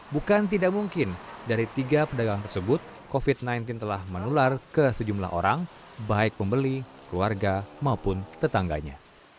bukan tidak mungkin dari tiga pedagang tersebut covid sembilan belas telah menular ke sejumlah orang baik pembeli keluarga maupun tetangganya